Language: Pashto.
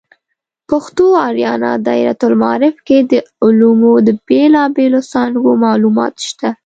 پښتو آریانا دایرة المعارف کې د علومو د بیلابیلو څانګو معلومات شته.